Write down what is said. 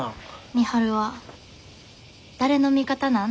「美晴は誰の味方なん？」